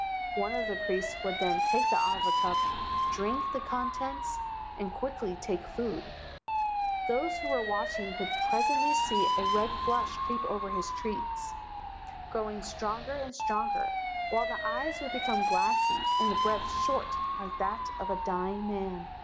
One of the priests would then take the awa cup, drink the contents, and quickly take food. "Those who were watching would presently see a red flush creep over his cheeks, growing stronger and stronger, while the eyes would become glassy and the breath short like that of a dying man.